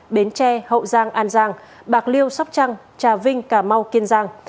bến tre hậu giang an giang bạc liêu sóc trăng trà vinh cà mau kiên giang